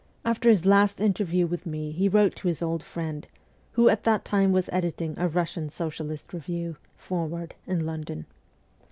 After his last interview with me he wrote to his old friend, who at that time was editing a Russian socialist review, Forward, in London.